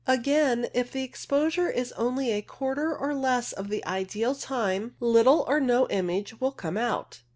Again, if the exposure is only a quarter or less of the ideal time, little or no image will come out.